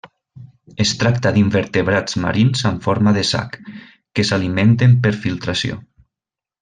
Es tracta d'invertebrats marins amb forma de sac, que s'alimenten per filtració.